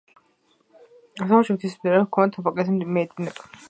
ზემოთში მთის მდინარეა, ქვემოთ ვაკეზე მიედინება.